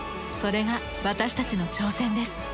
それが私たちの挑戦です。